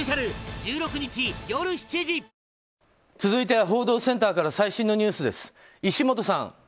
続いては報道センターから最新のニュースです。